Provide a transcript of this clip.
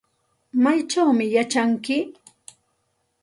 ¿Maychawmi yachanki?